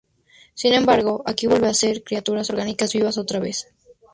Sin embargo, aquí vuelven a ser criaturas orgánicas vivas otra vez.